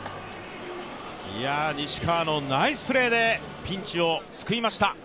西川のナイスプレーでピンチを救いました。